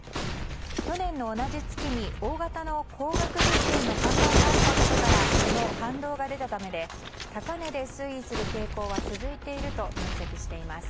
去年の同じ月に大型の高額物件の販売があったことからその反動が出たためで高値で推移する傾向は続いていると分析しています。